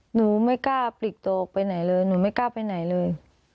หนูไม่กล้าปลิกตัวออกไปไหนเลยหนูไม่กล้าไปไหนเลย